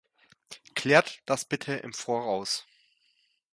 Klärt das bitte im Voraus.